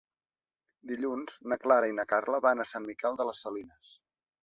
Dilluns na Clara i na Carla van a Sant Miquel de les Salines.